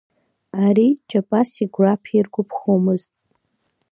Ари Ҷапаси Гәраԥи иргәаԥхомызт.